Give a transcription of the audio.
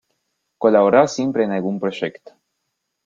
Colaborar siempre en algún proyecto.